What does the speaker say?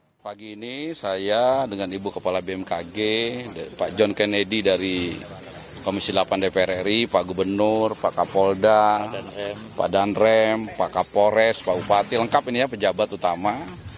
selamat pagi ini saya dengan ibu kepala bmkg pak john kennedy dari komisi delapan dpr ri pak gubernur pak kapolda pak danrem pak kapolres pak bupati lengkap ini ya pejabat utama